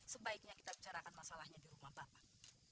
sebaiknya kita bicarakan masalahnya di rumah bapak